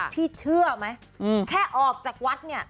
เชื่อไหมแค่ออกจากวัดเนี่ย